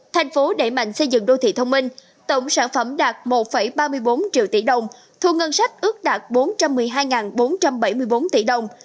thành phố đẩy mạnh xây dựng đô thị thông minh tổng sản phẩm đạt một ba mươi bốn triệu tỷ đồng thu ngân sách ước đạt bốn trăm một mươi hai bốn trăm bảy mươi bốn tỷ đồng